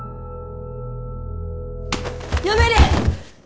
やめれ！